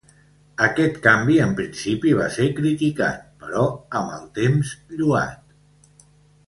Aquest canvi en principi va ser criticat, però amb el temps lloat.